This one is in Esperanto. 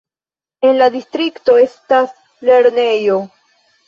En la distrikto estas lernejo.